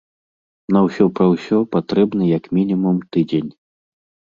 На ўсё пра ўсё патрэбны як мінімум тыдзень.